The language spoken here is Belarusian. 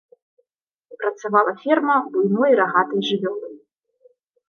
Працавала ферма буйной рагатай жывёлы.